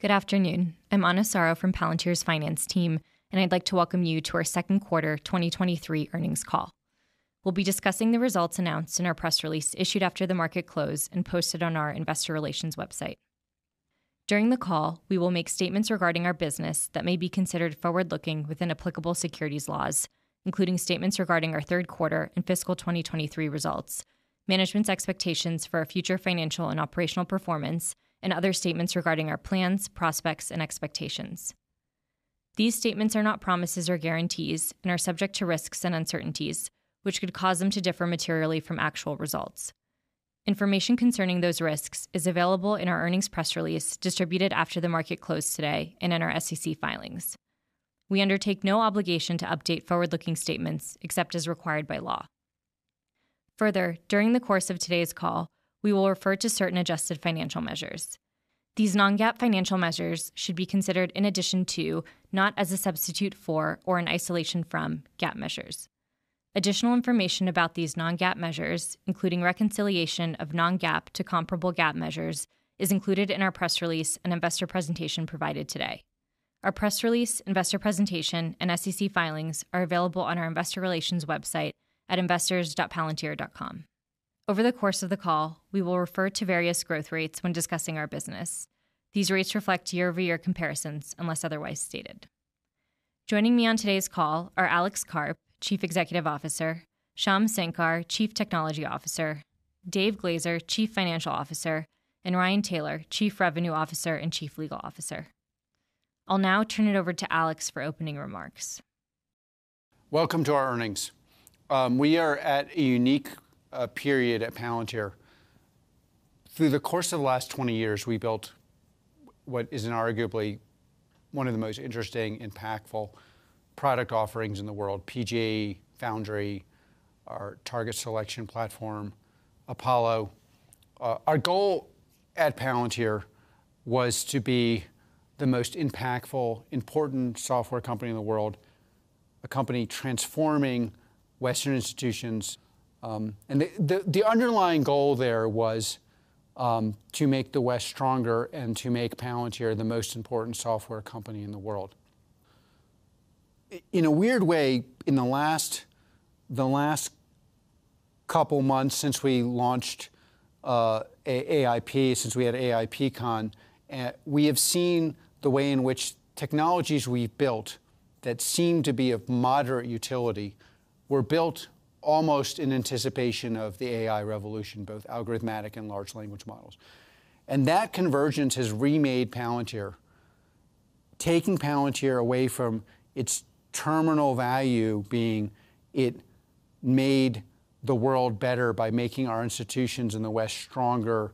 Good afternoon. I'm Ana Soro from Palantir's finance team, and I'd like to welcome you to our second quarter 2023 earnings call. We'll be discussing the results announced in our press release, issued after the market close and posted on our investor relations website. During the call, we will make statements regarding our business that may be considered forward-looking within applicable securities laws, including statements regarding our third quarter and fiscal 2023 results, management's expectations for our future financial and operational performance, and other statements regarding our plans, prospects, and expectations. These statements are not promises or guarantees and are subject to risks and uncertainties, which could cause them to differ materially from actual results. Information concerning those risks is available in our earnings press release, distributed after the market closed today and in our SEC filings. We undertake no obligation to update forward-looking statements except as required by law. Further, during the course of today's call, we will refer to certain adjusted financial measures. These non-GAAP financial measures should be considered in addition to, not as a substitute for or in isolation from, GAAP measures. Additional information about these non-GAAP measures, including reconciliation of non-GAAP to comparable GAAP measures, is included in our press release and investor presentation provided today. Our press release, investor presentation, and SEC filings are available on our investor relations website at investors.palantir.com. Over the course of the call, we will refer to various growth rates when discussing our business. These rates reflect year-over-year comparisons, unless otherwise stated. Joining me on today's call are Alex Karp, Chief Executive Officer; Shyam Sankar, Chief Technology Officer; Dave Glazer, Chief Financial Officer; and Ryan Taylor, Chief Revenue Officer and Chief Legal Officer. I'll now turn it over to Alex for opening remarks. Welcome to our earnings. We are at a unique period at Palantir. Through the course of the last 20 years, we built what is inarguably one of the most interesting, impactful product offerings in the world, PG&E, Foundry, our Target Selection platform, Apollo. Our goal at Palantir was to be the most impactful, important software company in the world, a company transforming Western institutions. And the, the, the underlying goal there was to make the West stronger and to make Palantir the most important software company in the world. In a weird way, in the last, the last couple of months since we launched AIP, since we had AIPCon, we have seen the way in which technologies we've built that seemed to be of moderate utility, were built almost in anticipation of the AI revolution, both algorithmic and Large Language Models. That convergence has remade Palantir, taking Palantir away from its terminal value, being it made the world better by making our institutions in the West stronger,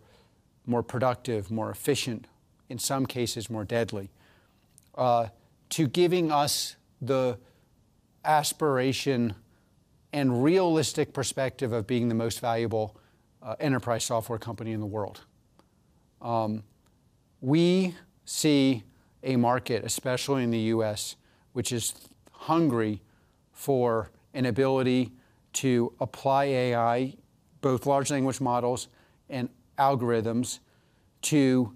more productive, more efficient, in some cases, more deadly, to giving us the aspiration and realistic perspective of being the most valuable enterprise software company in the world. We see a market, especially in the U.S., which is hungry for an ability to apply AI, both Large Language Models and algorithms, to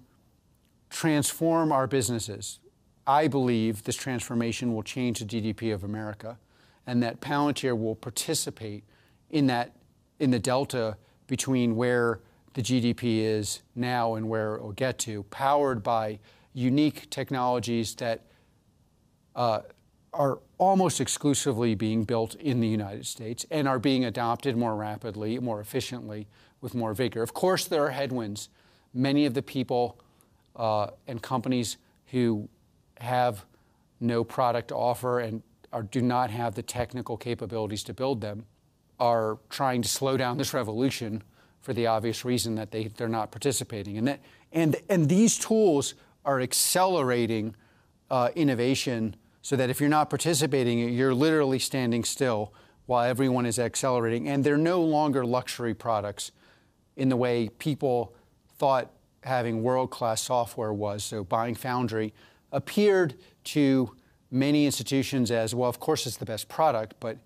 transform our businesses. I believe this transformation will change the GDP of America, and that Palantir will participate in that, in the delta between where the GDP is now and where it will get to, powered by unique technologies that are almost exclusively being built in the United States and are being adopted more rapidly, more efficiently, with more vigor. Of course, there are headwinds. Many of the people and companies who have no product to offer and do not have the technical capabilities to build them, are trying to slow down this revolution for the obvious reason that they're not participating. These tools are accelerating innovation, so that if you're not participating, you're literally standing still while everyone is accelerating. They're no longer luxury products in the way people thought having world-class software was. Buying Foundry appeared to many institutions as, "Well, of course, it's the best product", but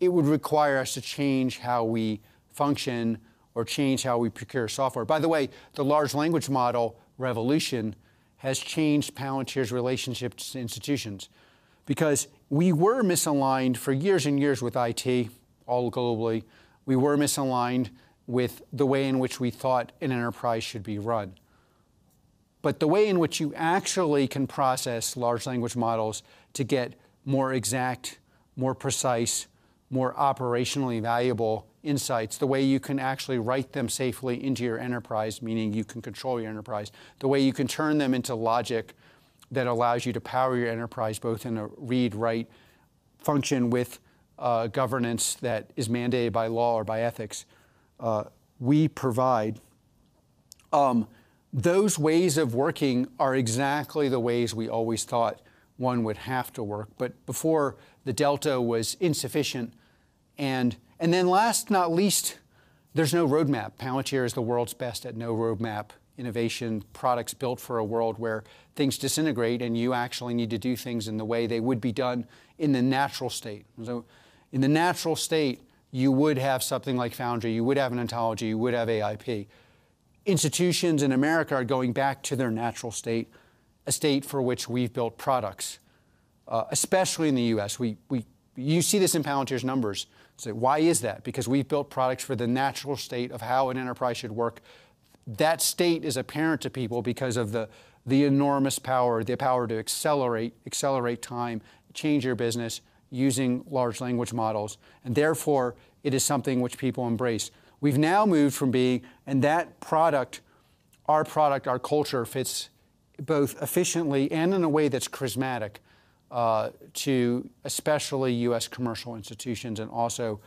it would require us to change how we function or change how we procure software. By the way, the large language model revolution has changed Palantir's relationships to institutions because we were misaligned for years and years with IT, all globally. We were misaligned with the way in which we thought an enterprise should be run. The way in which you actually can process large language models to get more exact, more precise, more operationally valuable insights, the way you can actually write them safely into your enterprise, meaning you can control your enterprise, the way you can turn them into logic that allows you to power your enterprise, both in a read, write function with governance that is mandated by law or by ethics, we provide. Those ways of working are exactly the ways we always thought one would have to work, but before, the delta was insufficient. Then last, not least, there's no roadmap. Palantir is the world's best at no-roadmap innovation, products built for a world where things disintegrate, and you actually need to do things in the way they would be done in the natural state. In the natural state, you would have something like Foundry, you would have an ontology, you would have AIP. Institutions in America are going back to their natural state, a state for which we've built products. Especially in the U.S. We, you see this in Palantir's numbers. Why is that? Because we've built products for the natural state of how an enterprise should work. That state is apparent to people because of the, the enormous power, the power to accelerate, accelerate time, change your business using large language models, and therefore, it is something which people embrace. We've now moved. That product, our product, our culture, fits both efficiently and in a way that's charismatic to especially U.S. commercial institutions and also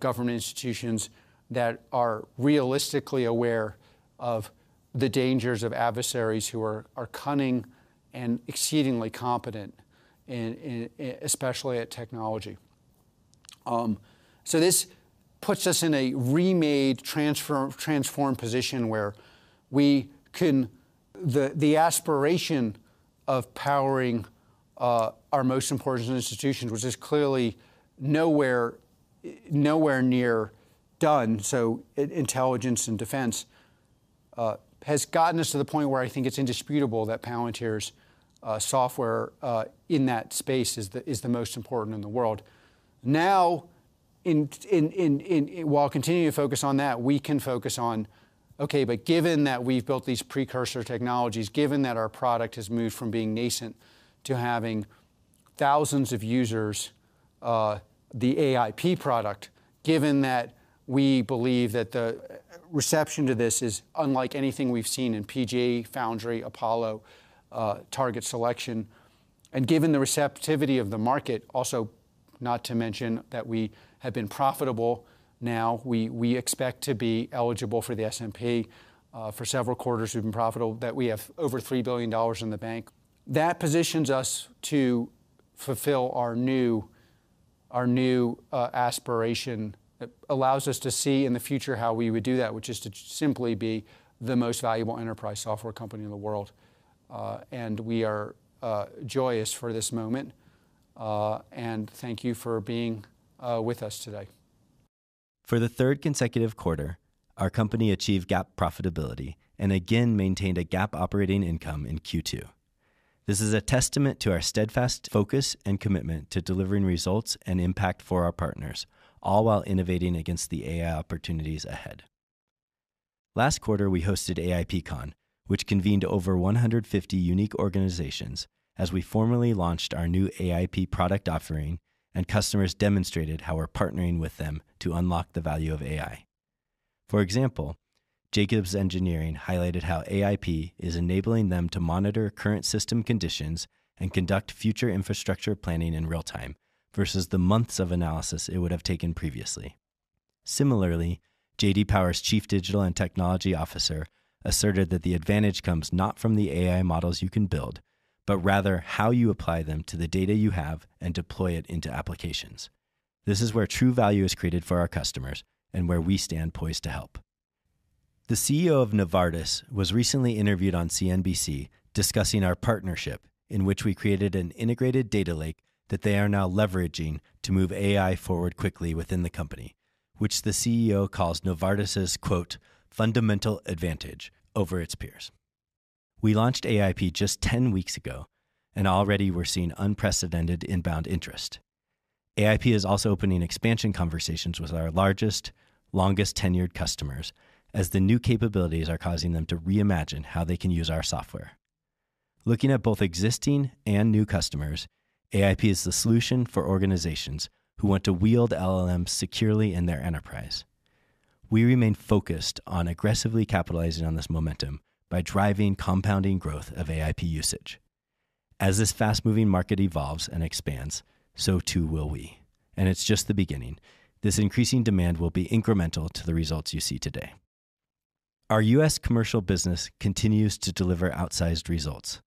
government institutions that are realistically aware of the dangers of adversaries who are cunning and exceedingly competent in especially at technology. This puts us in a remade, transformed position where we can, the aspiration of powering our most important institutions, which is clearly nowhere, nowhere near done, so intelligence and defense has gotten us to the point where I think it's indisputable that Palantir's software in that space is the, is the most important in the world. Now, while continuing to focus on that, we can focus on, okay, but given that we've built these precursor technologies, given that our product has moved from being nascent to having thousands of users, the AIP product, given that we believe that the reception to this is unlike anything we've seen in PG&E, Foundry, Apollo, Target Selection, and given the receptivity of the market, also, not to mention that we have been profitable. Now, we expect to be eligible for the S&P. For several quarters, we've been profitable, that we have over $3 billion in the bank. That positions us to fulfill our new, our new aspiration. It allows us to see in the future how we would do that, which is to just simply be the most valuable enterprise software company in the world. We are joyous for this moment, and thank you for being with us today. For the third consecutive quarter, our company achieved GAAP profitability and again maintained a GAAP operating income in Q2. This is a testament to our steadfast focus and commitment to delivering results and impact for our partners, all while innovating against the AI opportunities ahead. Last quarter, we hosted AIPCon, which convened over 150 unique organizations as we formally launched our new AIP product offering. Customers demonstrated how we're partnering with them to unlock the value of AI. For example, Jacobs Engineering highlighted how AIP is enabling them to monitor current system conditions and conduct future infrastructure planning in real time versus the months of analysis it would have taken previously. Similarly, J.D. Power's Chief Digital and Technology Officer asserted that the advantage comes not from the AI models you can build, but rather how you apply them to the data you have and deploy it into applications. This is where true value is created for our customers and where we stand poised to help. The CEO of Novartis was recently interviewed on CNBC, discussing our partnership, in which we created an integrated data lake that they are now leveraging to move AI forward quickly within the company, which the CEO calls Novartis's, quote, "fundamental advantage" over its peers. We launched AIP just 10 weeks ago, and already we're seeing unprecedented inbound interest. AIP is also opening expansion conversations with our largest, longest-tenured customers, as the new capabilities are causing them to reimagine how they can use our software. Looking at both existing and new customers, AIP is the solution for organizations who want to wield LLM securely in their enterprise. We remain focused on aggressively capitalizing on this momentum by driving compounding growth of AIP usage. As this fast-moving market evolves and expands, so too will we, and it's just the beginning. This increasing demand will be incremental to the results you see today. Our U.S. commercial business continues to deliver outsized results.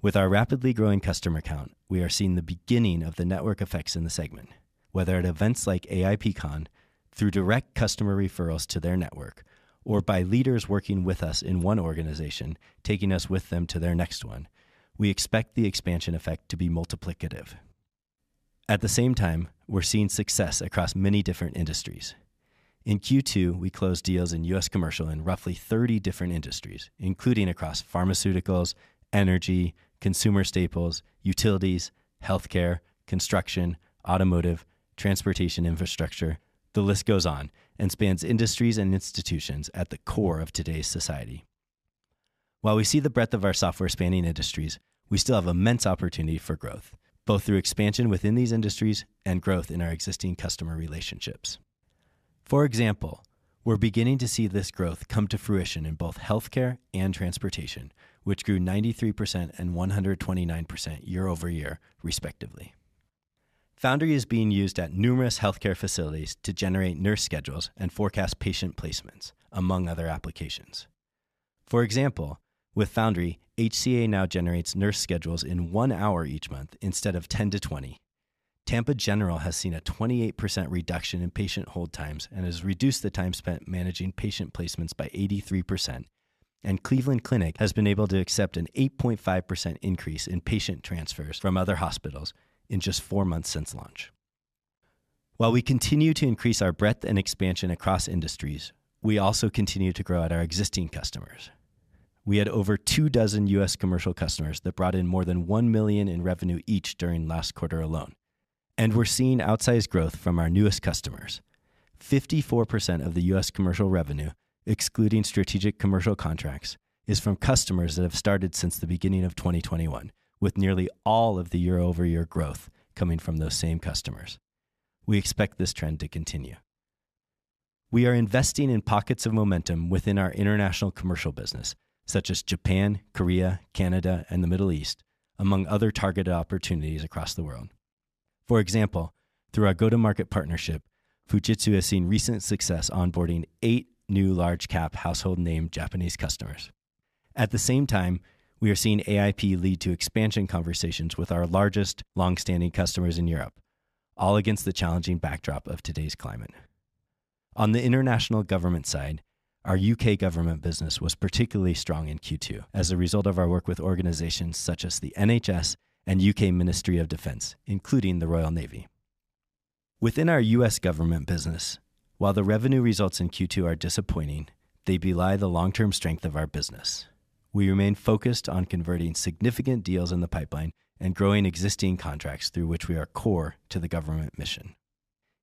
With our rapidly growing customer count, we are seeing the beginning of the network effects in the segment, whether at events like AIPCon, through direct customer referrals to their network, or by leaders working with us in one organization, taking us with them to their next one. We expect the expansion effect to be multiplicative. At the same time, we're seeing success across many different industries. In Q2, we closed deals in U.S. commercial in roughly 30 different industries, including across pharmaceuticals, energy, consumer staples, utilities, healthcare, construction, automotive, transportation infrastructure. The list goes on and spans industries and institutions at the core of today's society. While we see the breadth of our software spanning industries, we still have immense opportunity for growth, both through expansion within these industries and growth in our existing customer relationships. For example, we're beginning to see this growth come to fruition in both healthcare and transportation, which grew 93% and 129% year-over-year, respectively. Foundry is being used at numerous healthcare facilities to generate nurse schedules and forecast patient placements, among other applications. For example, with Foundry, HCA now generates nurse schedules in one hour each month instead of 10-20. Tampa General has seen a 28% reduction in patient hold times and has reduced the time spent managing patient placements by 83%, and Cleveland Clinic has been able to accept an 8.5% increase in patient transfers from other hospitals in just four months since launch. While we continue to increase our breadth and expansion across industries, we also continue to grow at our existing customers. We had over two dozen U.S. commercial customers that brought in more than $1 million in revenue each during last quarter alone, and we're seeing outsized growth from our newest customers. 54% of the U.S. commercial revenue, excluding strategic commercial contracts, is from customers that have started since the beginning of 2021, with nearly all of the year-over-year growth coming from those same customers. We expect this trend to continue. We are investing in pockets of momentum within our international commercial business, such as Japan, Korea, Canada, and the Middle East, among other targeted opportunities across the world. For example, through our go-to-market partnership, Fujitsu has seen recent success onboarding eight new large-cap, household name Japanese customers. At the same time, we are seeing AIP lead to expansion conversations with our largest long-standing customers in Europe, all against the challenging backdrop of today's climate. On the international government side, our U.K. government business was particularly strong in Q2 as a result of our work with organizations such as the NHS and UK Ministry of Defence, including the Royal Navy. Within our U.S. government business, while the revenue results in Q2 are disappointing, they belie the long-term strength of our business. We remain focused on converting significant deals in the pipeline and growing existing contracts through which we are core to the government mission.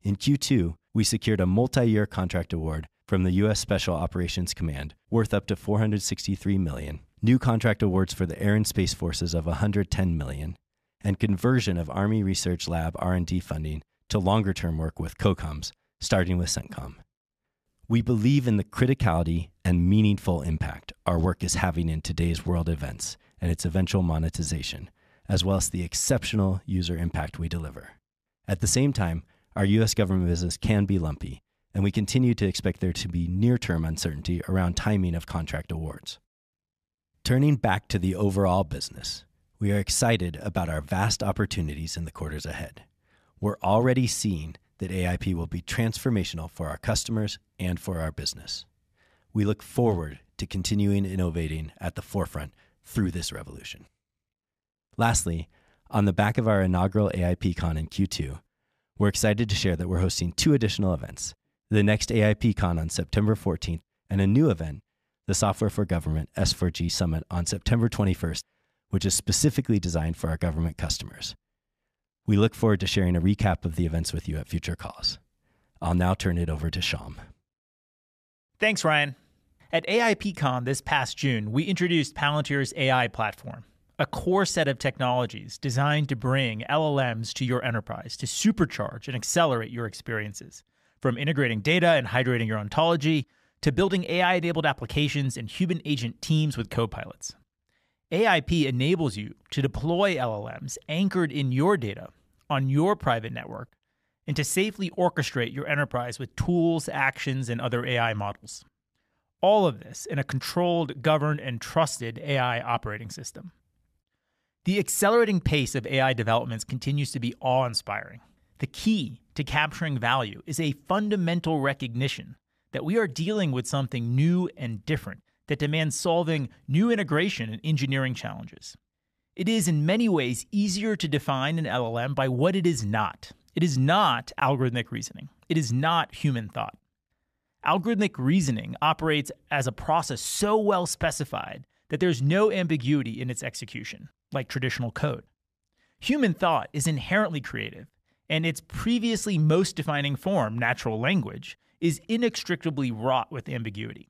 In Q2, we secured a multi-year contract award from the US Special Operations Command, worth up to $463 million. New contract awards for the Air and Space Forces of $110 million, and conversion of Army Research Lab R&D funding to longer-term work with COCOMs, starting with CENTCOM. We believe in the criticality and meaningful impact our work is having in today's world events and its eventual monetization, as well as the exceptional user impact we deliver. At the same time, our U.S. government business can be lumpy, and we continue to expect there to be near-term uncertainty around timing of contract awards. Turning back to the overall business, we are excited about our vast opportunities in the quarters ahead. We're already seeing that AIP will be transformational for our customers and for our business. We look forward to continuing innovating at the forefront through this revolution. Lastly, on the back of our inaugural AIPCon in Q2, we're excited to share that we're hosting two additional events, the next AIPCon on September 14th, and a new event, the Software for Government, S4G Summit on September 21st, which is specifically designed for our government customers. We look forward to sharing a recap of the events with you at future calls. I'll now turn it over to Shyam. Thanks, Ryan. At AIPCon, this past June, we introduced Palantir's AI Platform, a core set of technologies designed to bring LLMs to your enterprise to supercharge and accelerate your experiences, from integrating data and hydrating your ontology, to building AI-enabled applications and human agent teams with copilots. AIP enables you to deploy LLMs anchored in your data on your private network, and to safely orchestrate your enterprise with tools, actions, and other AI models. All of this in a controlled, governed, and trusted AI operating system. The accelerating pace of AI developments continues to be awe-inspiring. The key to capturing value is a fundamental recognition that we are dealing with something new and different that demands solving new integration and engineering challenges. It is, in many ways, easier to define an LLM by what it is not. It is not algorithmic reasoning. It is not human thought. Algorithmic reasoning operates as a process so well specified that there's no ambiguity in its execution, like traditional code. Human thought is inherently creative, and its previously most defining form, natural language, is inextricably wrought with ambiguity.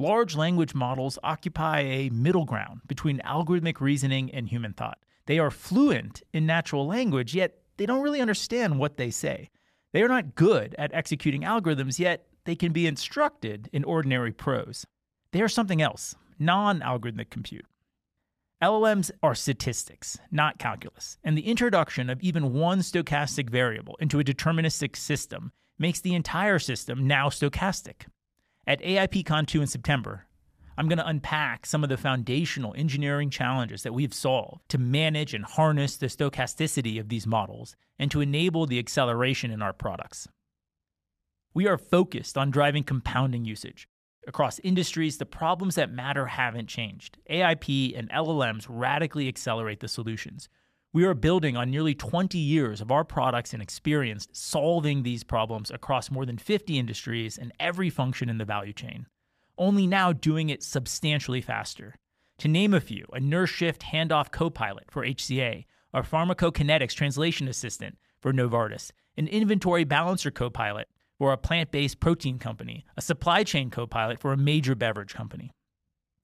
Large language models occupy a middle ground between algorithmic reasoning and human thought. They are fluent in natural language, yet they don't really understand what they say. They are not good at executing algorithms, yet they can be instructed in ordinary prose. They are something else, non-algorithmic compute. LLMs are statistics, not calculus, and the introduction of even one stochastic variable into a deterministic system makes the entire system now stochastic. At AIPCon 2 in September, I'm going to unpack some of the foundational engineering challenges that we've solved to manage and harness the stochasticity of these models and to enable the acceleration in our products. We are focused on driving compounding usage. Across industries, the problems that matter haven't changed. AIP and LLMs radically accelerate the solutions. We are building on nearly 20 years of our products and experience solving these problems across more than 50 industries and every function in the value chain, only now doing it substantially faster. To name a few, a nurse shift handoff copilot for HCA, our pharmacokinetics translation assistant for Novartis, an inventory balancer copilot for a plant-based protein company, a supply chain copilot for a major beverage company.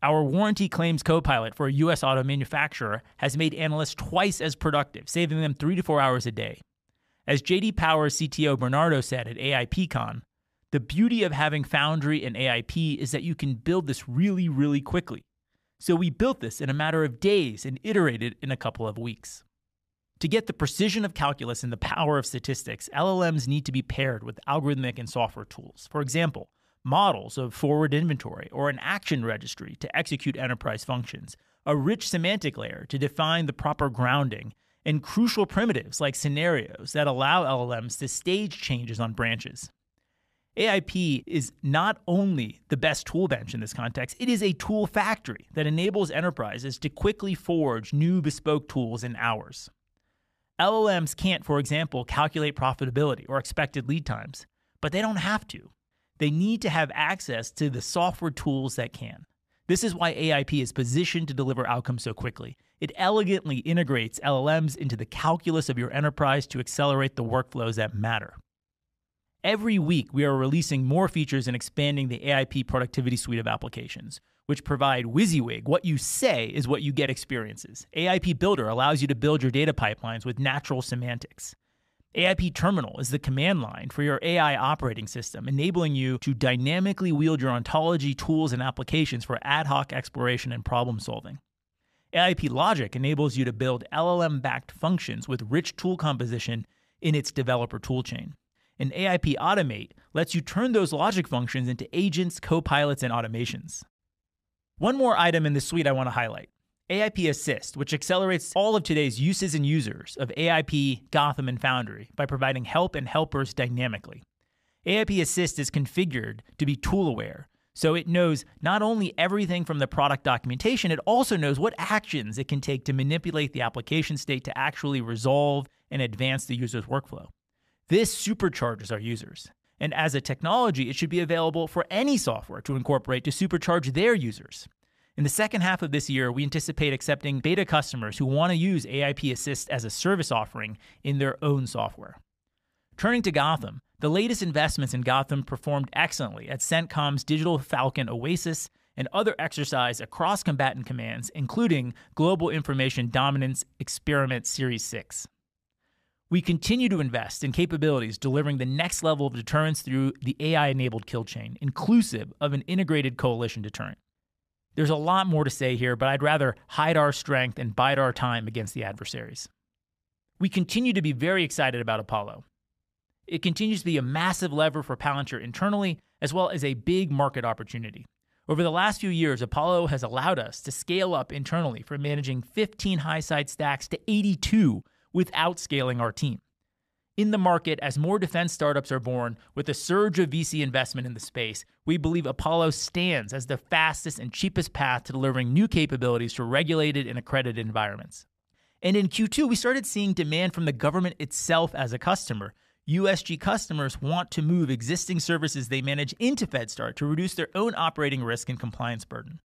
Our warranty claims copilot for a U.S. auto manufacturer has made analysts twice as productive, saving them 3-4 hours a day. As J.D. Power CTO Bernardo said at AIPCon, "The beauty of having Foundry and AIP is that you can build this really, really quickly. We built this in a matter of days and iterated in a couple of weeks." To get the precision of calculus and the power of statistics, LLMs need to be paired with algorithmic and software tools. For example, models of forward inventory or an action registry to execute enterprise functions, a rich semantic layer to define the proper grounding, and crucial primitives like scenarios that allow LLMs to stage changes on branches. AIP is not only the best tool bench in this context, it is a tool factory that enables enterprises to quickly forge new bespoke tools in hours. LLMs can't, for example, calculate profitability or expected lead times, but they don't have to. They need to have access to the software tools that can. This is why AIP is positioned to deliver outcomes so quickly. It elegantly integrates LLMs into the calculus of your enterprise to accelerate the workflows that matter. Every week, we are releasing more features and expanding the AIP productivity suite of applications, which provide WYSIWYG, What You Say Is What You Get, experiences. AIP Builder allows you to build your data pipelines with natural semantics. AIP Terminal is the command line for your AI operating system, enabling you to dynamically wield your ontology tools and applications for ad hoc exploration and problem-solving. AIP Logic enables you to build LLM-backed functions with rich tool composition in its developer toolchain. AIP Automate lets you turn those logic functions into agents, co-pilots, and automations. One more item in this suite I want to highlight, AIP Assist, which accelerates all of today's uses and users of AIP, Gotham, and Foundry by providing help and helpers dynamically. AIP Assist is configured to be tool-aware, so it knows not only everything from the product documentation, it also knows what actions it can take to manipulate the application state to actually resolve and advance the user's workflow. This supercharges our users, and as a technology, it should be available for any software to incorporate to supercharge their users. In the second half of this year, we anticipate accepting beta customers who want to use AIP Assist as a service offering in their own software. Turning to Gotham, the latest investments in Gotham performed excellently at CENTCOM's Digital Falcon Oasis and other exercise across combatant commands, including Global Information Dominance Experiment Series 6. We continue to invest in capabilities delivering the next level of deterrence through the AI-enabled kill chain, inclusive of an integrated coalition deterrent. There's a lot more to say here, but I'd rather hide our strength and bide our time against the adversaries. We continue to be very excited about Palantir Apollo. It continues to be a massive lever for Palantir internally, as well as a big market opportunity. Over the last few years, Palantir Apollo has allowed us to scale up internally from managing 15 high-side stacks to 82 without scaling our team. In the market, as more defense startups are born, with a surge of VC investment in the space, we believe Palantir Apollo stands as the fastest and cheapest path to delivering new capabilities to regulated and accredited environments. In Q2, we started seeing demand from the government itself as a customer. USG customers want to move existing services they manage into FedStart to reduce their own operating risk and compliance burden.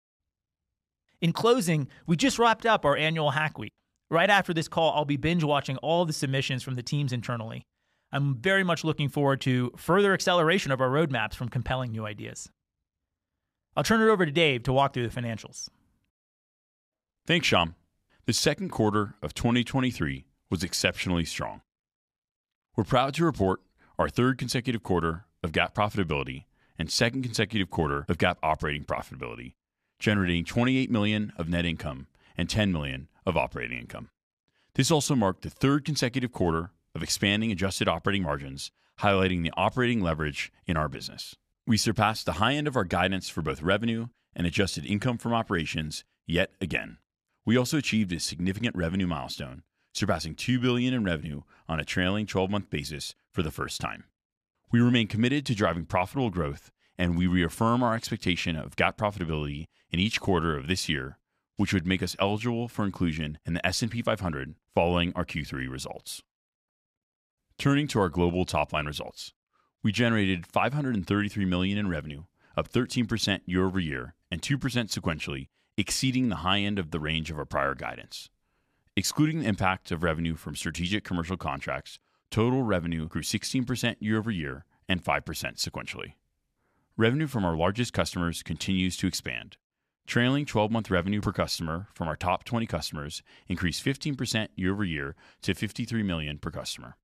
In closing, we just wrapped up our annual Hack Week. Right after this call, I'll be binge-watching all the submissions from the teams internally. I'm very much looking forward to further acceleration of our roadmaps from compelling new ideas. I'll turn it over to Dave to walk through the financials. Thanks, Shyam. The second quarter of 2023 was exceptionally strong. We're proud to report our third consecutive quarter of GAAP profitability and second consecutive quarter of GAAP operating profitability, generating $28 million of net income and $10 million of operating income. This also marked the third consecutive quarter of expanding adjusted operating margins, highlighting the operating leverage in our business. We surpassed the high end of our guidance for both revenue and adjusted income from operations yet again. We also achieved a significant revenue milestone, surpassing $2 billion in revenue on a trailing 12-month basis for the first time. We remain committed to driving profitable growth. We reaffirm our expectation of GAAP profitability in each quarter of this year, which would make us eligible for inclusion in the S&P 500 following our Q3 results. Turning to our global top-line results, we generated $533 million in revenue, up 13% year-over-year and 2% sequentially, exceeding the high end of the range of our prior guidance. Excluding the impact of revenue from strategic commercial contracts, total revenue grew 16% year-over-year and 5% sequentially. Revenue from our largest customers continues to expand. Trailing 12-month revenue per customer from our top 20 customers increased 15% year-over-year to $53 million per customer.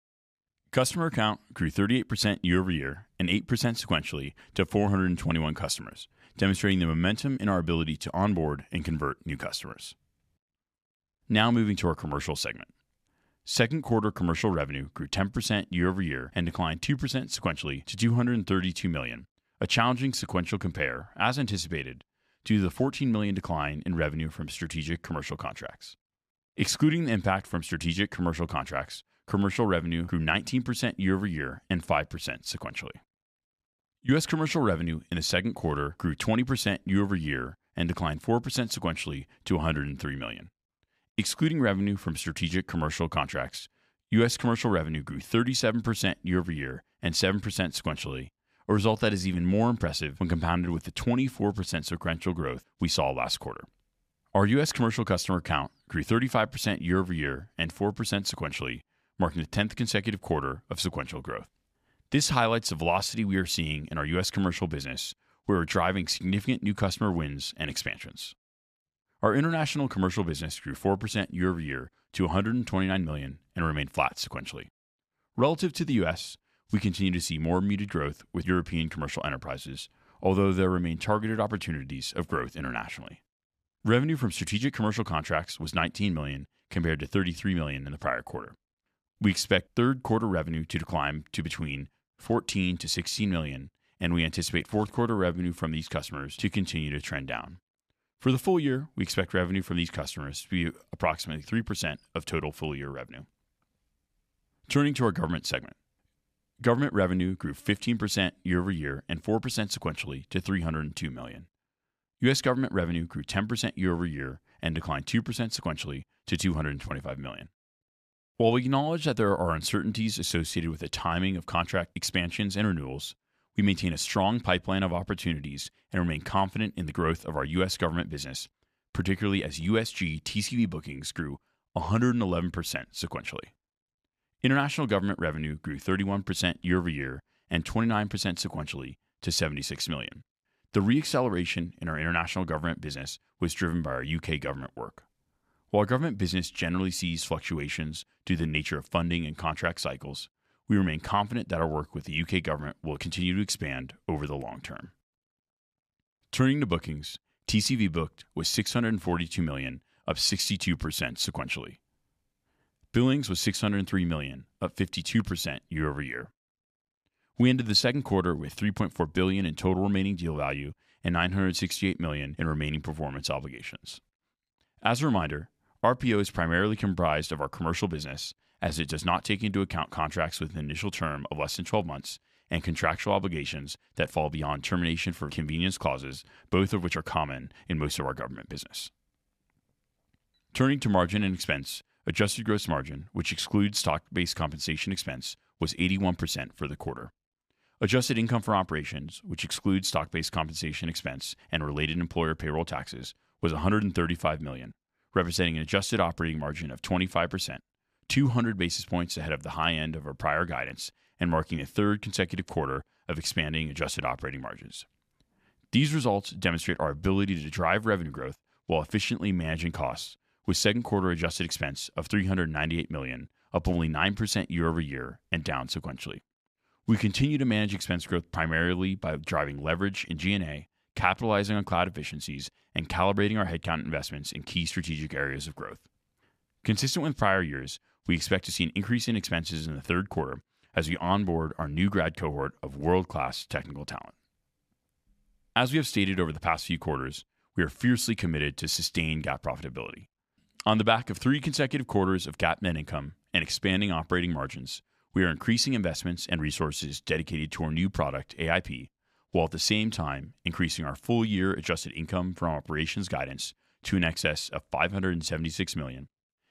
Customer count grew 38% year-over-year and 8% sequentially to 421 customers, demonstrating the momentum in our ability to onboard and convert new customers. Now moving to our commercial segment. Second quarter commercial revenue grew 10% year-over-year and declined 2% sequentially to $232 million, a challenging sequential compare, as anticipated, due to the $14 million decline in revenue from strategic commercial contracts. Excluding the impact from strategic commercial contracts, commercial revenue grew 19% year-over-year and 5% sequentially. U.S. commercial revenue in the second quarter grew 20% year-over-year and declined 4% sequentially to $103 million. Excluding revenue from strategic commercial contracts, U.S. commercial revenue grew 37% year-over-year and 7% sequentially, a result that is even more impressive when compounded with the 24% sequential growth we saw last quarter. Our U.S. commercial customer count grew 35% year-over-year and 4% sequentially, marking the 10th consecutive quarter of sequential growth. This highlights the velocity we are seeing in our U.S. commercial business, where we're driving significant new customer wins and expansions. Our international commercial business grew 4% year-over-year to $129 million and remained flat sequentially. Relative to the U.S., we continue to see more muted growth with European commercial enterprises, although there remain targeted opportunities of growth internationally. Revenue from strategic commercial contracts was $19 million, compared to $33 million in the prior quarter. We expect third quarter revenue to decline to between $14 million-$16 million, and we anticipate fourth quarter revenue from these customers to continue to trend down. For the full year, we expect revenue from these customers to be approximately 3% of total full-year revenue. Turning to our government segment. Government revenue grew 15% year-over-year and 4% sequentially to $302 million. U.S. government revenue grew 10% year-over-year and declined 2% sequentially to $225 million. While we acknowledge that there are uncertainties associated with the timing of contract expansions and renewals, we maintain a strong pipeline of opportunities and remain confident in the growth of our U.S. government business, particularly as USG TCV bookings grew 111% sequentially. International government revenue grew 31% year-over-year and 29% sequentially to $76 million. The re-acceleration in our international government business was driven by our U.K. government work. While our government business generally sees fluctuations due to the nature of funding and contract cycles, we remain confident that our work with the U.K. government will continue to expand over the long term. Turning to bookings, TCV booked was $642 million, up 62% sequentially. Billings was $603 million, up 52% year-over-year. We ended the second quarter with $3.4 billion in total remaining deal value and $968 million in remaining performance obligations. As a reminder, RPO is primarily comprised of our commercial business, as it does not take into account contracts with an initial term of less than 12 months and contractual obligations that fall beyond termination for convenience clauses, both of which are common in most of our government business. Turning to margin and expense, adjusted gross margin, which excludes stock-based compensation expense, was 81% for the quarter. Adjusted income for operations, which excludes stock-based compensation expense and related employer payroll taxes, was $135 million, representing an adjusted operating margin of 25%, 200 basis points ahead of the high end of our prior guidance and marking a third consecutive quarter of expanding adjusted operating margins. These results demonstrate our ability to drive revenue growth while efficiently managing costs, with second quarter adjusted expense of $398 million, up only 9% year-over-year and down sequentially. We continue to manage expense growth primarily by driving leverage in G&A, capitalizing on cloud efficiencies, and calibrating our headcount investments in key strategic areas of growth. Consistent with prior years, we expect to see an increase in expenses in the third quarter as we onboard our new grad cohort of world-class technical talent. As we have stated over the past few quarters, we are fiercely committed to sustained GAAP profitability. On the back of three consecutive quarters of GAAP net income and expanding operating margins, we are increasing investments and resources dedicated to our new product, AIP, while at the same time increasing our full-year adjusted income from operations guidance to in excess of $576 million,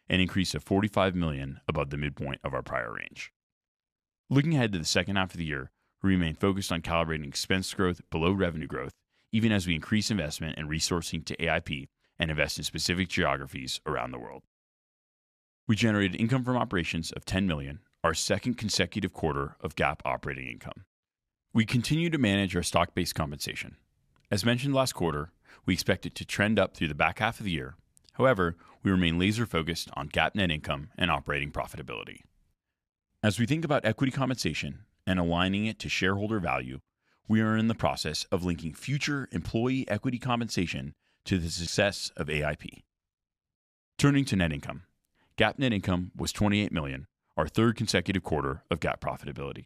an increase of $45 million above the midpoint of our prior range. Looking ahead to the second half of the year, we remain focused on calibrating expense growth below revenue growth, even as we increase investment and resourcing to AIP and invest in specific geographies around the world. We generated income from operations of $10 million, our second consecutive quarter of GAAP operating income. We continue to manage our stock-based compensation. As mentioned last quarter, we expect it to trend up through the back half of the year. However, we remain laser-focused on GAAP net income and operating profitability. As we think about equity compensation and aligning it to shareholder value, we are in the process of linking future employee equity compensation to the success of AIP. Turning to net income. GAAP net income was $28 million, our third consecutive quarter of GAAP profitability.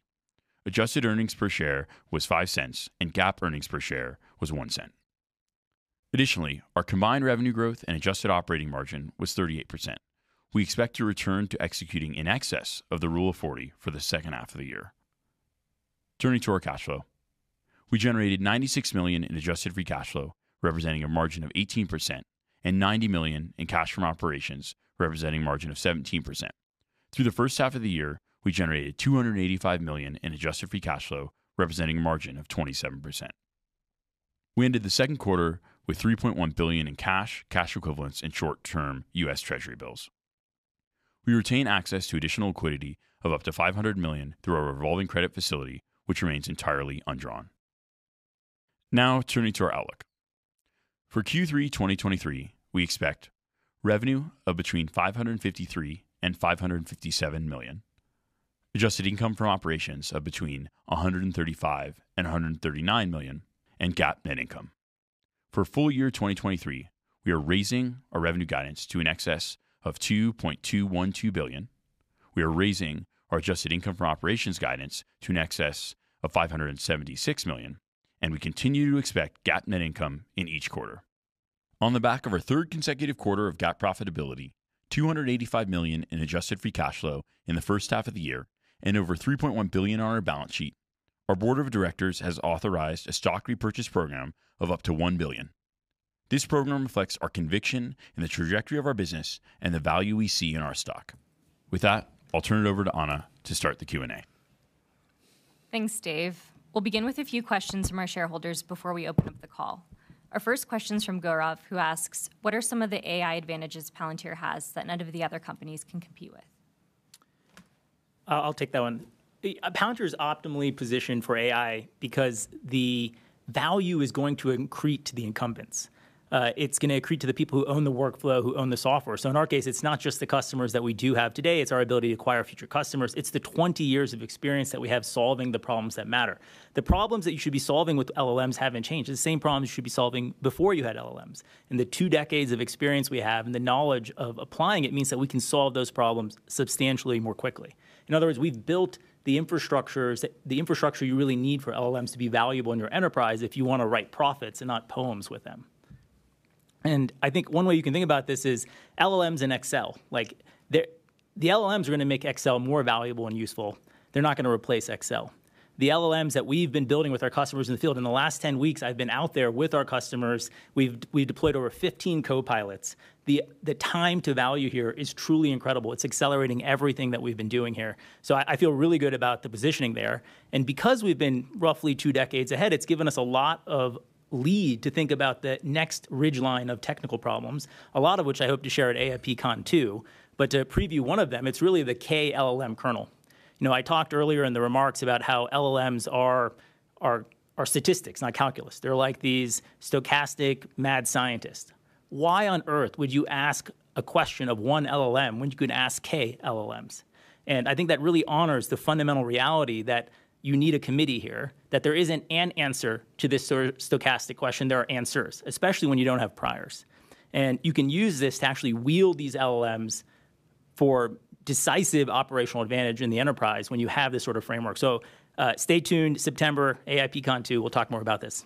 Adjusted earnings per share was $0.05, and GAAP earnings per share was $0.01. Additionally, our combined revenue growth and adjusted operating margin was 38%. We expect to return to executing in excess of the Rule 40 for the second half of the year. Turning to our cash flow. We generated $96 million in adjusted free cash flow, representing a margin of 18%, and $90 million in cash from operations, representing a margin of 17%. Through the first half of the year, we generated $285 million in adjusted free cash flow, representing a margin of 27%. We ended the second quarter with $3.1 billion in cash, cash equivalents, and short-term U.S. Treasury bills. We retain access to additional liquidity of up to $500 million through our revolving credit facility, which remains entirely undrawn. Turning to our outlook. For Q3 2023, we expect revenue of between $553 million and $557 million, adjusted income from operations of between $135 million and $139 million, and GAAP net income. For full year 2023, we are raising our revenue guidance to in excess of $2.212 billion. We are raising our adjusted income from operations guidance to in excess of $576 million. We continue to expect GAAP net income in each quarter. On the back of our third consecutive quarter of GAAP profitability, $285 million in adjusted free cash flow in the first half of the year, and over $3.1 billion on our balance sheet, our board of directors has authorized a stock repurchase program of up to $1 billion. This program reflects our conviction in the trajectory of our business and the value we see in our stock. With that, I'll turn it over to Anna to start the Q&A. Thanks, Dave. We'll begin with a few questions from our shareholders before we open up the call. Our first question is from Gaurav, who asks: "What are some of the AI advantages Palantir has that none of the other companies can compete with? I'll, I'll take that one. Palantir is optimally positioned for AI because the value is going to accrete to the incumbents. It's gonna accrete to the people who own the workflow, who own the software. In our case, it's not just the customers that we do have today, it's our ability to acquire future customers. It's the 20 years of experience that we have solving the problems that matter. The problems that you should be solving with LLMs haven't changed. They're the same problems you should be solving before you had LLMs, and the two decades of experience we have and the knowledge of applying it means that we can solve those problems substantially more quickly. In other words, we've built the infrastructure you really need for LLMs to be valuable in your enterprise if you want to write profits and not poems with them. I think one way you can think about this is LLMs in Excel. Like, the LLMs are going to make Excel more valuable and useful. They're not going to replace Excel. The LLMs that we've been building with our customers in the field, in the last 10 weeks, I've been out there with our customers. We've deployed over 15 copilots. The time to value here is truly incredible. It's accelerating everything that we've been doing here. I feel really good about the positioning there. Because we've been roughly two decades ahead, it's given us a lot of lead to think about the next ridgeline of technical problems, a lot of which I hope to share at AIPCon 2. To preview one of them, it's really the k-LLM kernel. You know, I talked earlier in the remarks about how LLMs are, are, are statistics, not calculus. They're like these stochastic mad scientists. Why on earth would you ask a question of one LLM when you can ask k-LLMs? I think that really honors the fundamental reality that you need a committee here, that there isn't an answer to this sort of stochastic question. There are answers, especially when you don't have priors. You can use this to actually wield these LLMs for decisive operational advantage in the enterprise when you have this sort of framework. Stay tuned, September, AIPCon 2 we'll talk more about this.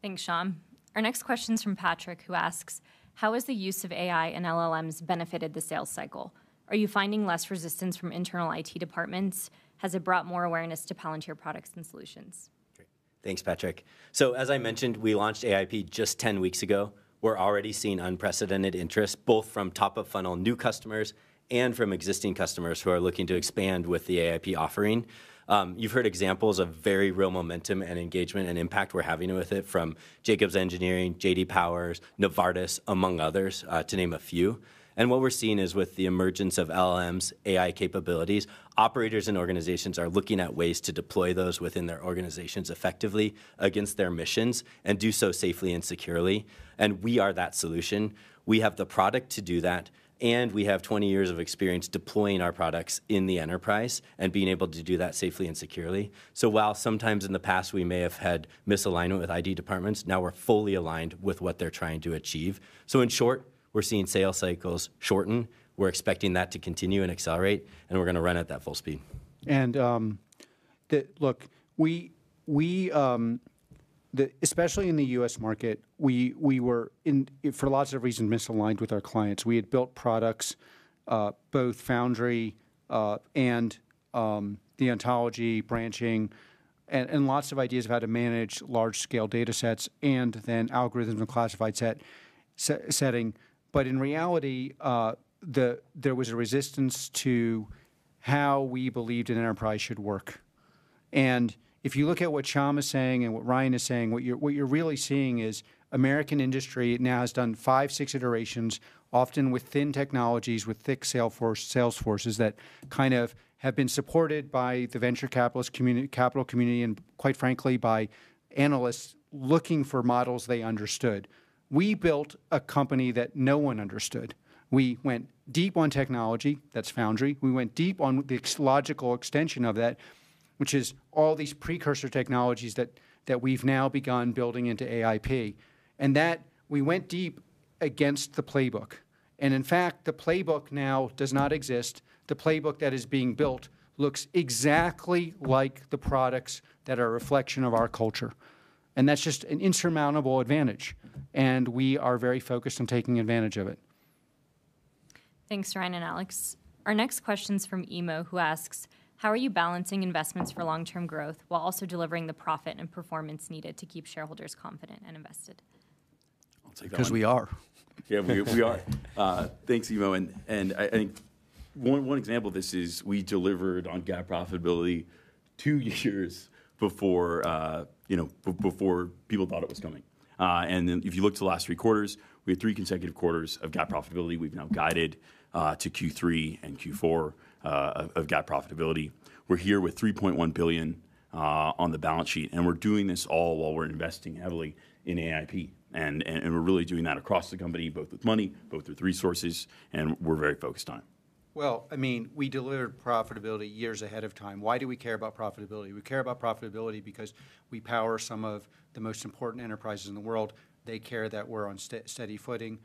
Thanks, Shyam. Our next question's from Patrick, who asks: "How has the use of AI and LLMs benefited the sales cycle? Are you finding less resistance from internal IT departments? Has it brought more awareness to Palantir products and solutions? Great. Thanks, Patrick. As I mentioned, we launched AIP just 10 weeks ago. We're already seeing unprecedented interest, both from top-of-funnel new customers and from existing customers who are looking to expand with the AIP offering. You've heard examples of very real momentum and engagement and impact we're having with it from Jacobs Engineering, J.D. Power, Novartis, among others, to name a few. What we're seeing is, with the emergence of LLMs, AI capabilities, operators and organizations are looking at ways to deploy those within their organizations effectively against their missions and do so safely and securely, and we are that solution. We have the product to do that, and we have 20 years of experience deploying our products in the enterprise and being able to do that safely and securely. While sometimes in the past we may have had misalignment with ID departments, now we're fully aligned with what they're trying to achieve. In short, we're seeing sales cycles shorten. We're expecting that to continue and accelerate, and we're going to run at that full speed. Look, we, we, especially in the U.S. market, we, we were in, for lots of reasons, misaligned with our clients. We had built products, both Foundry, and the ontology branching and lots of ideas of how to manage large-scale datasets and then algorithm and classified setting. In reality, there was a resistance to how we believed an enterprise should work. If you look at what Shyam is saying and what Ryan is saying, what you're, what you're really seeing is American industry now has done 5, 6 iterations, often with thin technologies, with thick sales forces that kind of have been supported by the venture capital community, and quite frankly, by analysts looking for models they understood. We built a company that no one understood. We went deep on technology, that's Foundry. We went deep on the logical extension of that, which is all these precursor technologies that we've now begun building into AIP, and that we went deep against the playbook. In fact, the playbook now does not exist. The playbook that is being built looks exactly like the products that are a reflection of our culture. That's just an insurmountable advantage. We are very focused on taking advantage of it. Thanks, Ryan and Alex. Our next question's from Imo, who asks: "How are you balancing investments for long-term growth while also delivering the profit and performance needed to keep shareholders confident and invested? I'll take that one. Because we are. Yeah, we are. Thanks, Imo. I think one example of this is we delivered on GAAP profitability two years before people thought it was coming. If you look to the last three quarters, we had three consecutive quarters of GAAP profitability. We've now guided to Q3 and Q4 of GAAP profitability. We're here with $3.1 billion on the balance sheet, and we're doing this all while we're investing heavily in AIP, and we're really doing that across the company, both with money, both with resources, and we're very focused on it. Well, I mean, we delivered profitability years ahead of time. Why do we care about profitability? We care about profitability because we power some of the most important enterprises in the world. They care that we're on steady footing.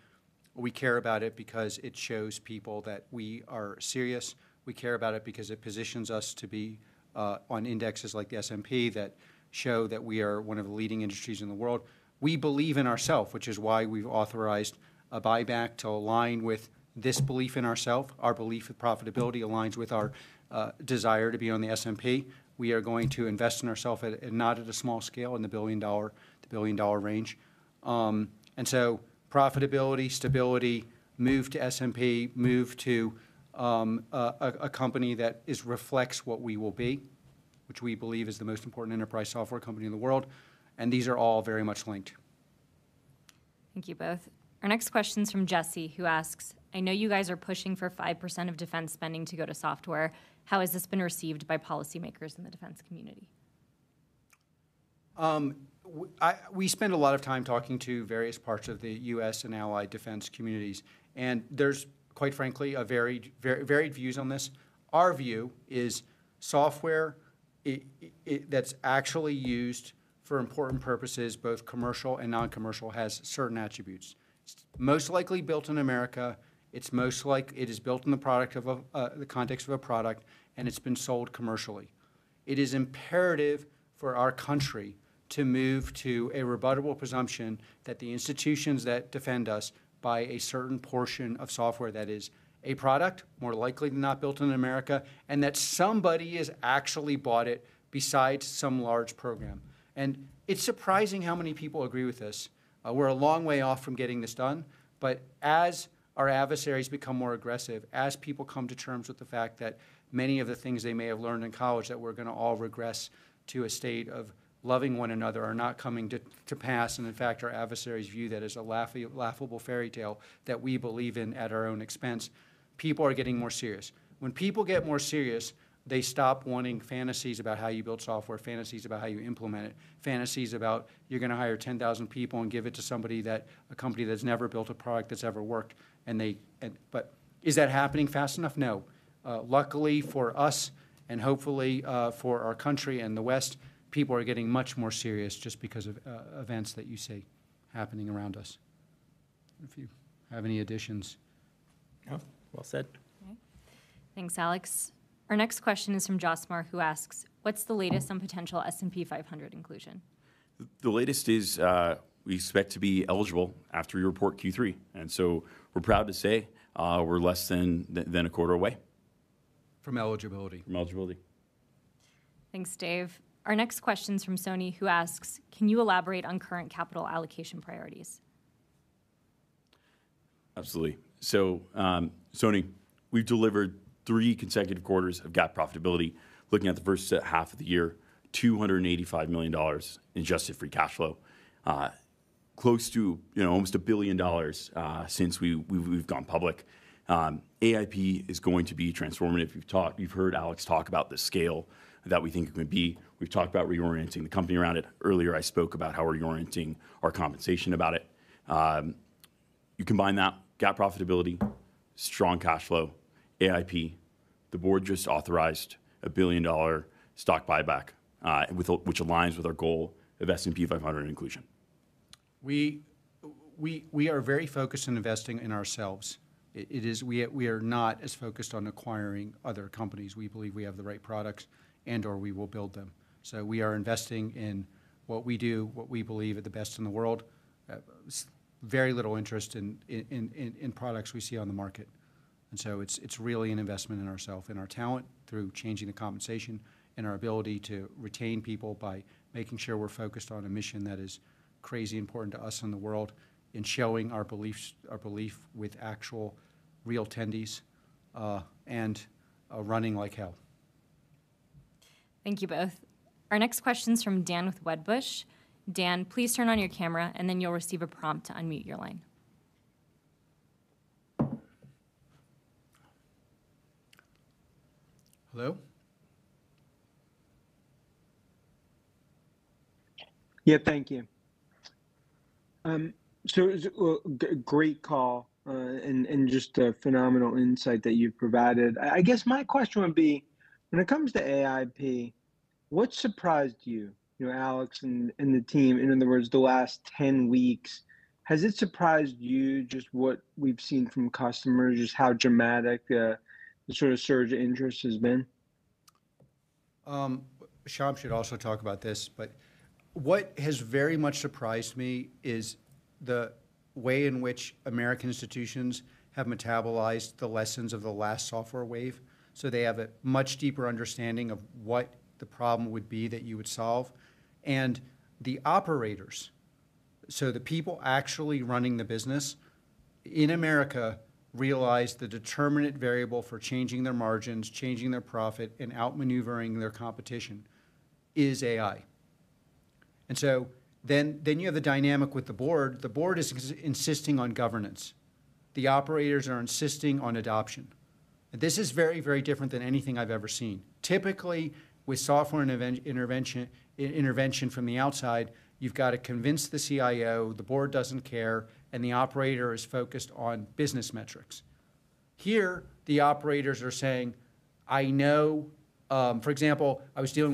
We care about it because it shows people that we are serious. We care about it because it positions us to be on indexes like the S&P, that show that we are one of the leading industries in the world. We believe in ourself, which is why we've authorized a buyback to align with this belief in ourself. Our belief in profitability aligns with our desire to be on the S&P. We are going to invest in ourself at not at a small scale, in the billion-dollar, billion-dollar range. Profitability, stability, move to S&P, move to, a company that is reflects what we will be, which we believe is the most important enterprise software company in the world, and these are all very much linked. Thank you both. Our next question's from Jesse, who asks: "I know you guys are pushing for 5% of defense spending to go to software. How has this been received by policymakers in the defense community? We spend a lot of time talking to various parts of the U.S. and allied defense communities, and there's, quite frankly, a varied, varied views on this. Our view is software, it, that's actually used for important purposes, both commercial and non-commercial, has certain attributes. It's most likely built in America, it is built in the product of a, the context of a product, and it's been sold commercially. It is imperative for our country to move to a rebuttable presumption that the institutions that defend us buy a certain portion of software that is a product, more likely than not built in America, and that somebody has actually bought it besides some large program. It's surprising how many people agree with this. We're a long way off from getting this done, but as our adversaries become more aggressive, as people come to terms with the fact that many of the things they may have learned in college, that we're gonna all regress to a state of loving one another are not coming to pass, and in fact, our adversaries view that as a laughable fairy tale that we believe in at our own expense, people are getting more serious. When people get more serious, they stop wanting fantasies about how you build software, fantasies about how you implement it, fantasies about you're gonna hire 10,000 people and give it to somebody a company that's never built a product that's ever worked. Is that happening fast enough? No. Luckily for us, and hopefully, for our country and the West, people are getting much more serious just because of events that you see happening around us. If you have any additions? No. Well said. Okay. Thanks, Alex. Our next question is from Josmar, who asks: "What's the latest on potential S&P 500 inclusion? The latest is, we expect to be eligible after we report Q3, and so we're proud to say, we're less than a quarter away. From eligibility. From eligibility. Thanks, Dave. Our next question's from Sony, who asks: "Can you elaborate on current capital allocation priorities? Absolutely. Sony, we've delivered three consecutive quarters of GAAP profitability. Looking at the first half of the year, $285 million in adjusted free cash flow. Close to, you know, almost $1 billion since we've gone public. AIP is going to be transformative. You've heard Alex talk about the scale that we think it would be. We've talked about reorienting the company around it. Earlier, I spoke about how we're reorienting our compensation about it. You combine that, GAAP profitability, strong cash flow, AIP, the board just authorized a $1 billion stock buyback, which aligns with our goal of S&P 500 inclusion. We, we, we are very focused on investing in ourselves. It, it is. We, we are not as focused on acquiring other companies. We believe we have the right products and/or we will build them. We are investing in what we do, what we believe are the best in the world. very little interest in products we see on the market, it's, it's really an investment in ourself, in our talent, through changing the compensation and our ability to retain people by making sure we're focused on a mission that is crazy important to us and the world, in showing our beliefs, our belief with actual real attendees, and running like hell. Thank you both. Our next question's from Dan with Wedbush. Dan, please turn on your camera, and then you'll receive a prompt to unmute your line. Hello? Yeah, thank you. It was a great call, and just a phenomenal insight that you've provided. I guess my question would be: when it comes to AIP, what surprised you, you know, Alex and the team, in other words, the last 10 weeks, has it surprised you just what we've seen from customers, just how dramatic the sort of surge in interest has been? Shyam should also talk about this. What has very much surprised me is the way in which American institutions have metabolized the lessons of the last software wave, so they have a much deeper understanding of what the problem would be that you would solve. The operators, so the people actually running the business in America, realize the determinant variable for changing their margins, changing their profit, and outmaneuvering their competition is AI. Then you have the dynamic with the board. The board is insisting on governance. The operators are insisting on adoption. This is very, very different than anything I've ever seen. Typically, with software and even intervention, intervention from the outside, you've got to convince the CIO, the board doesn't care, and the operator is focused on business metrics. Here, the operators are saying, "I know..." For example, I was talking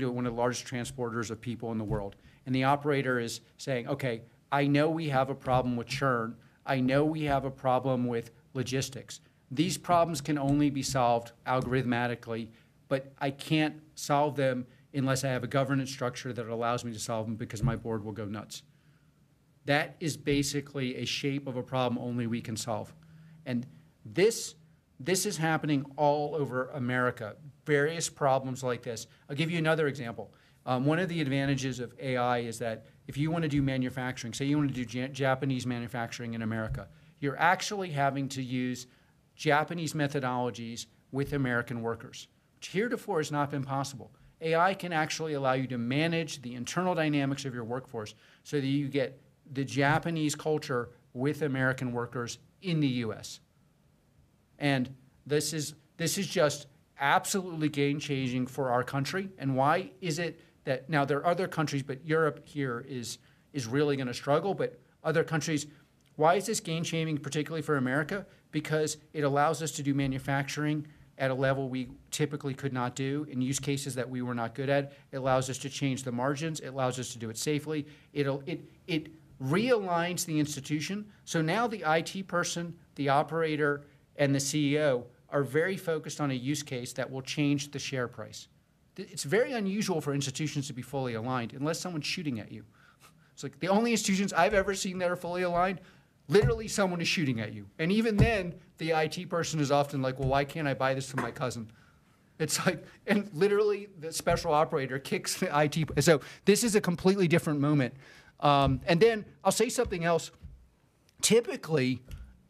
to one of the largest transporters of people in the world, the operator is saying, "Okay, I know we have a problem with churn. I know we have a problem with logistics. These problems can only be solved algorithmically, but I can't solve them unless I have a governance structure that allows me to solve them because my board will go nuts." That is basically a shape of a problem only we can solve, and this, this is happening all over America, various problems like this. I'll give you another example. One of the advantages of AI is that if you want to do manufacturing, say you want to do Japanese manufacturing in America, you're actually having to use Japanese methodologies with American workers, which heretofore has not been possible. AI can actually allow you to manage the internal dynamics of your workforce so that you get the Japanese culture with American workers in the U.S., and this is just absolutely game-changing for our country. Now, there are other countries, but Europe here is really gonna struggle, but other countries, why is this game-changing, particularly for America? Because it allows us to do manufacturing at a level we typically could not do in use cases that we were not good at. It allows us to change the margins. It allows us to do it safely. It'll, it realigns the institution, so now the IT person, the operator, and the CEO are very focused on a use case that will change the share price. It's very unusual for institutions to be fully aligned unless someone's shooting at you. The only institutions I've ever seen that are fully aligned, literally someone is shooting at you. Even then, the IT person is often like: "Well, why can't I buy this from my cousin?" It's like. Literally, the special operator kicks the IT-. This is a completely different moment. Then I'll say something else. Typically,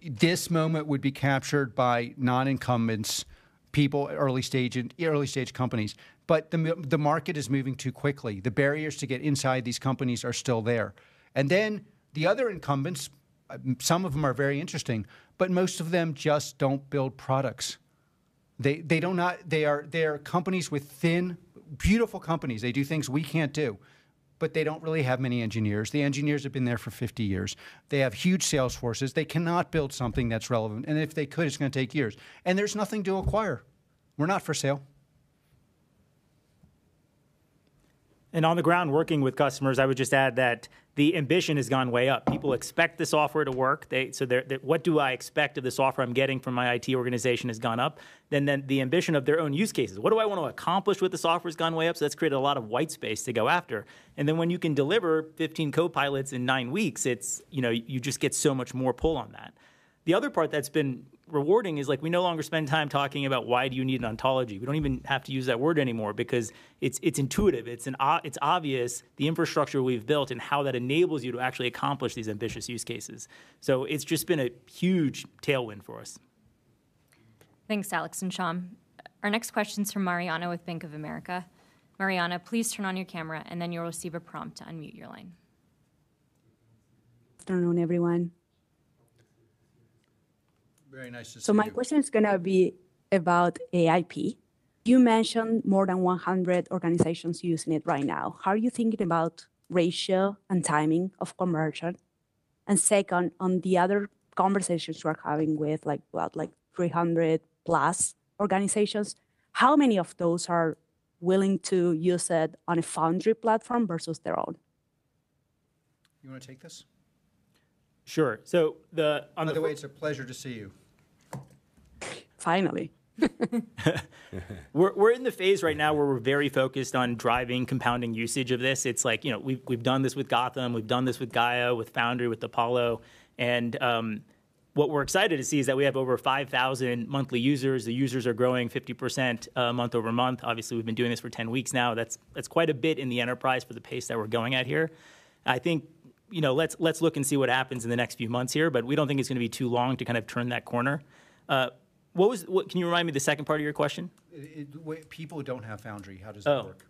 this moment would be captured by non-incumbents, people at early stage and early-stage companies. The market is moving too quickly. The barriers to get inside these companies are still there. The other incumbents, some of them are very interesting, but most of them just don't build products. They, they are, they are companies with thin... Beautiful companies, they do things we can't do, but they don't really have many engineers. The engineers have been there for 50 years. They have huge sales forces. They cannot build something that's relevant, and if they could, it's gonna take years. There's nothing to acquire. We're not for sale. On the ground, working with customers, I would just add that the ambition has gone way up. People expect this software to work. "What do I expect of this software I'm getting from my IT organization?" has gone up. The ambition of their own use cases: "What do I want to accomplish with this software?" has gone way up, so that's created a lot of white space to go after. When you can deliver 15 co-pilots in nine weeks, it's, you know, you just get so much more pull on that. The other part that's been rewarding is, like, we no longer spend time talking about, "Why do you need an ontology?" We don't even have to use that word anymore because it's, it's intuitive. It's obvious the infrastructure we've built and how that enables you to actually accomplish these ambitious use cases. It's just been a huge tailwind for us. Thanks, Alex and Shyam. Our next question's from Mariana with Bank of America. Mariana, please turn on your camera, and then you'll receive a prompt to unmute your line. Turn on, everyone. Very nice to see you. My question is gonna be about AIP. You mentioned more than 100 organizations using it right now. How are you thinking about ratio and timing of conversion? Second, on the other conversations you are having with, like, what? 300+ organizations, how many of those are willing to use it on a Foundry platform versus their own? You want to take this? Sure. By the way, it's a pleasure to see you. Finally. We're, we're in the phase right now where we're very focused on driving compounding usage of this. It's like, you know, we've, we've done this with Gotham, we've done this with Gaia, with Foundry, with Apollo. What we're excited to see is that we have over 5,000 monthly users. The users are growing 50% month-over-month. Obviously, we've been doing this for 10 weeks now. That's, that's quite a bit in the enterprise for the pace that we're going at here. I think, you know, let's, let's look and see what happens in the next few months here, but we don't think it's gonna be too long to kind of turn that corner. What was... Can you remind me the second part of your question? It, when people don't have Foundry, how does it work?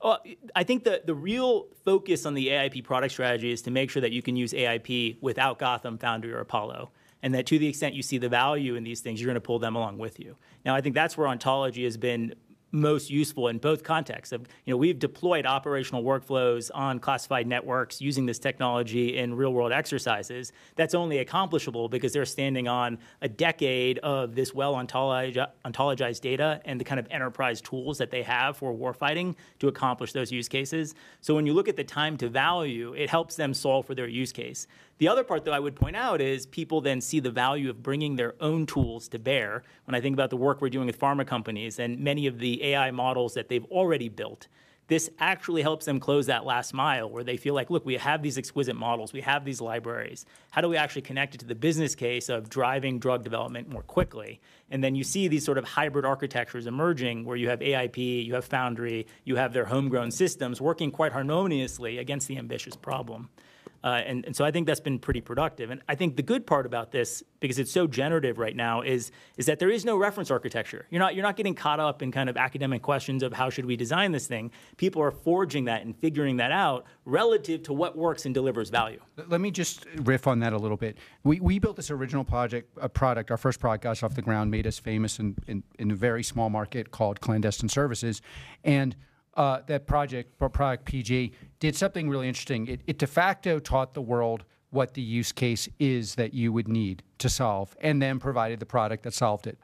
Oh. Well, I think the, the real focus on the AIP product strategy is to make sure that you can use AIP without Gotham, Foundry, or Apollo, that to the extent you see the value in these things, you're gonna pull them along with you. I think that's where ontology has been most useful in both contexts of, you know, we've deployed operational workflows on classified networks using this technology in real-world exercises. That's only accomplishable because they're standing on a decade of this well-ontologized data and the kind of enterprise tools that they have for war fighting to accomplish those use cases. When you look at the time to value, it helps them solve for their use case. The other part, though, I would point out, is people then see the value of bringing their own tools to bear. When I think about the work we're doing with pharma companies and many of the AI models that they've already built, this actually helps them close that last mile, where they feel like: "Look, we have these exquisite models. We have these libraries. How do we actually connect it to the business case of driving drug development more quickly?" Then you see these sort of hybrid architectures emerging, where you have AIP, you have Foundry, you have their homegrown systems working quite harmoniously against the ambitious problem. I think that's been pretty productive. I think the good part about this, because it's so generative right now, is that there is no reference architecture. You're not, you're not getting caught up in kind of academic questions of, "How should we design this thing?" People are forging that and figuring that out relative to what works and delivers value. Let me just riff on that a little bit. We built this original project, product, our first product, got us off the ground, made us famous in, in, in a very small market called Clandestine Services. That project, or product, PG, did something really interesting. It, it de facto taught the world what the use case is that you would need to solve and then provided the product that solved it.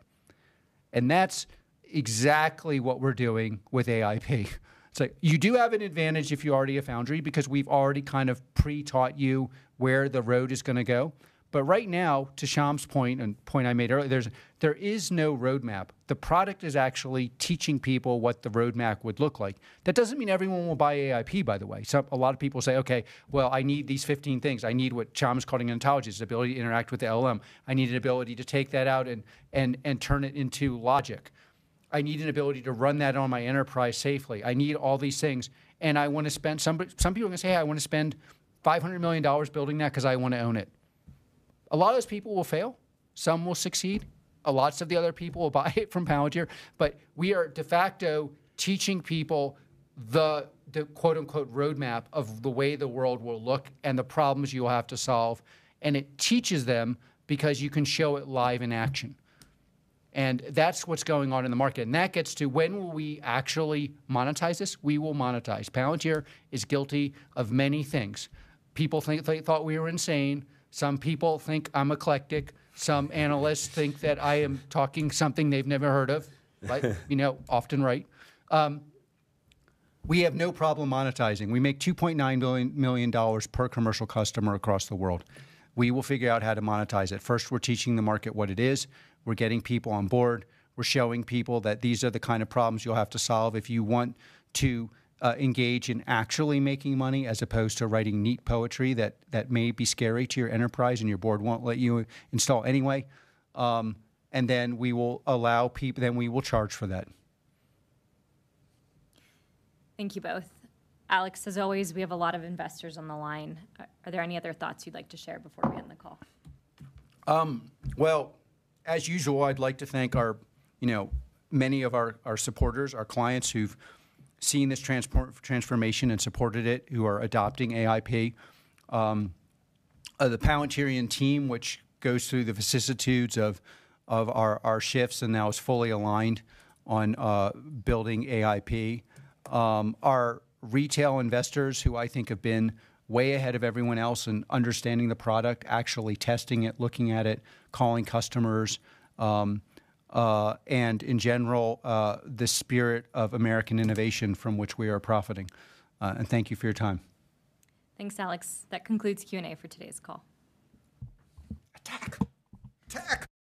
That's exactly what we're doing with AIP. It's like you do have an advantage if you're already a Foundry, because we've already kind of pre-taught you where the road is gonna go. Right now, to Shyam's point and point I made earlier, there is no roadmap. The product is actually teaching people what the roadmap would look like. That doesn't mean everyone will buy AIP, by the way. A lot of people say, "Okay, well, I need these 15 things. I need what Shyam Sankar is calling ontology, the ability to interact with the LLM. I need an ability to take that out and turn it into logic. I need an ability to run that on my enterprise safely. I need all these things, and I want to spend..." Some people are gonna say, "I want to spend $500 million building that because I want to own it." A lot of those people will fail, some will succeed. A lots of the other people will buy it from Palantir. We are de facto teaching people the, the quote-unquote, "roadmap" of the way the world will look and the problems you will have to solve, and it teaches them because you can show it live in action. That's what's going on in the market, and that gets to when will we actually monetize this? We will monetize. Palantir is guilty of many things. People think they thought we were insane. Some people think I'm eclectic. Some analysts think that I am talking something they've never heard of, but, you know, often right. We have no problem monetizing. We make $2.9 million per commercial customer across the world. We will figure out how to monetize it. First, we're teaching the market what it is. We're getting people on board. We're showing people that these are the kind of problems you'll have to solve if you want to engage in actually making money, as opposed to writing neat poetry that, that may be scary to your enterprise and your board won't let you install anyway. Then we will allow then we will charge for that. Thank you both. Alex, as always, we have a lot of investors on the line. Are there any other thoughts you'd like to share before we end the call? Well, as usual, I'd like to thank our, you know, many of our, our supporters, our clients who've seen this transformation and supported it, who are adopting AIP. The Palantirian team, which goes through the vicissitudes of, of our, our shifts and now is fully aligned on building AIP. Our retail investors, who I think have been way ahead of everyone else in understanding the product, actually testing it, looking at it, calling customers, and in general, the spirit of American innovation from which we are profiting. Thank you for your time. Thanks, Alex. That concludes Q&A for today's call.